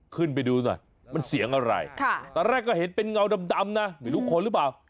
ขึ้นไปดูหน่อยมันเสียงอะไรตอนแรกก็เห็นเป็นเงาดำนะไม่รู้คนหรือเปล่า